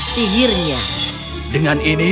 sihirnya dengan ini